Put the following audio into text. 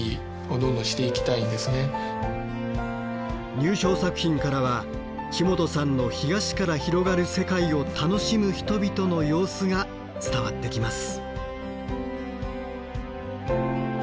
入賞作品からは木本さんの干菓子から広がる世界を楽しむ人々の様子が伝わってきます。